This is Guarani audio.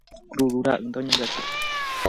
Kururu ra'ýnte oñembyasy